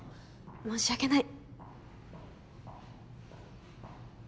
申し訳ない。